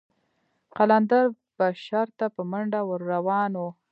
قلندر به شر ته په منډه ور روان و.